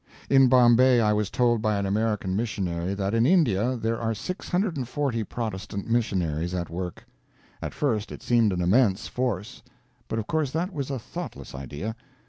In Bombay I was told by an American missionary that in India there are 640 Protestant missionaries at work. At first it seemed an immense force, but of course that was a thoughtless idea.